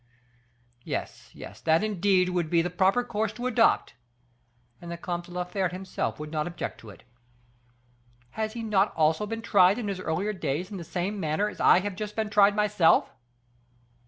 Yes, yes, that, indeed, would be the proper course to adopt, and the Comte de la Fere himself would not object to it. Has not he also been tried, in his earlier days, in the same manner as I have just been tried myself?